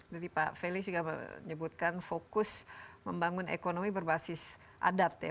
jadi pak felix juga menyebutkan fokus membangun ekonomi berbasis adat ya